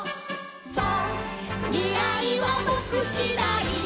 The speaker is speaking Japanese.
「そうみらいはぼくしだい」